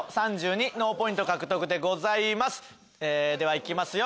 ではいきますよ